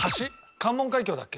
関門海峡だっけ？